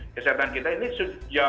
kesehatan kita ini